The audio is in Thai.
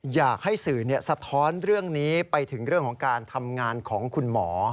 อยากให้สื่อสะท้อนเรื่องนี้ไปถึงเรื่องของการทำงานของคุณหมอ